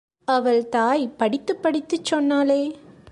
அவள் தாய் படித்துப் படித்துச் சொன்னாளே!